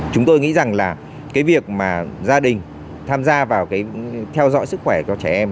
chúng tôi nghĩ rằng là cái việc mà gia đình tham gia vào cái theo dõi sức khỏe cho trẻ em